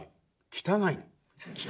汚い？